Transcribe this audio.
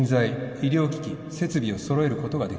医療機器設備を揃えることができる